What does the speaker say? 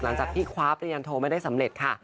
หลังจากที่คว้าปริญญาณโทไม่ได้สำเร็จค่ะ